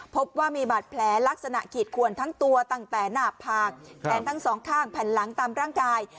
พบว่ามีบาดแผลลักษณะขีดขวนทั้งตัวตั้งแต่หน้าผากแขนทั้งสองข้างแผ่นหลังตามร่างกาย